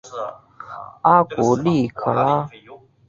阿古利可拉。